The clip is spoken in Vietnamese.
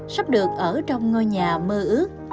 sắp được ở trong ngôi nhà mơ ước